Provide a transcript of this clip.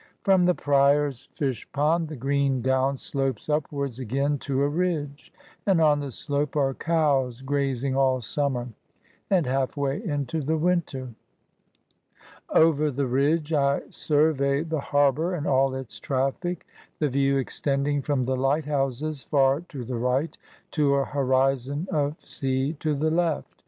From the Prior's fish pond, the green down slopes upwards again to a ridge ; and on the slope are cows grazing all summer, and half way into the winter. Over the ridge, I survey the harbour and all its traffic, the view extending from the light houses far to the right, to a horizon of sea to the left.